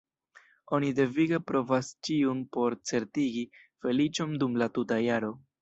Oni devige provas ĉiun por certigi feliĉon dum la tuta jaro.